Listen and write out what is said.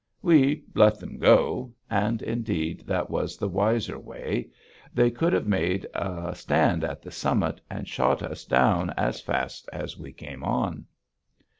We "let them go!" and, indeed, that was the wiser way: they could have made a stand at the summit and shot us down as fast as we came on.